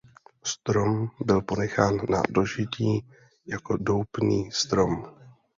Strom byl ponechán na dožití jako doupný strom.